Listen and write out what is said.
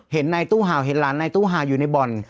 เห็นในตู้ห่าวเห็นร้านในตู้ห่าวอยู่ในบ่อน